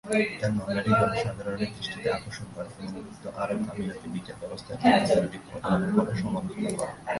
তার মামলাটি জনসাধারণের দৃষ্টি আকর্ষণ করে এবং সংযুক্ত আরব আমিরাতের বিচার ব্যবস্থার এই ঘটনাটি পরিচালনা করার সমালোচনা করে।